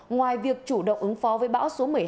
ngoài việc chủ động ứng phó với bão số một mươi hai